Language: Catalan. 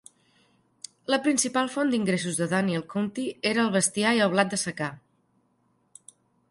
La principal font d'ingressos de Daniel County eren el bestiar i el blat de secà.